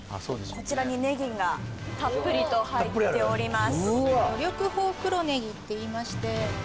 こちらにネギがたっぷりとたっぷりある？